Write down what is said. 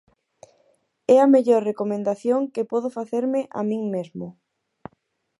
É a mellor recomendación que podo facerme a min mesmo.